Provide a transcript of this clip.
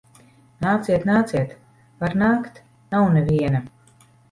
Nāciet, nāciet! Var nākt. Nav neviena.